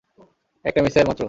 একটা মিসাইল মাত্র!